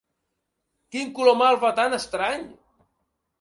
Quin color malva tan estrany!